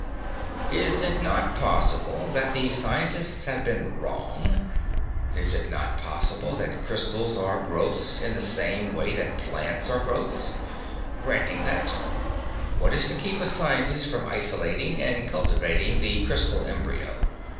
Is it not possible that the scientists have been wrong? Is it not possible that crystals are growths in the same way that plants are growths? Granting that, what is to keep a scientist from isolating and cultivating the crystal embryo?